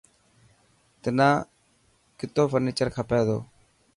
تنا ڪتو فرنيچر کپي تو.